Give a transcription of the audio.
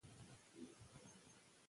نورې ښځې شهيدانېدلې وې.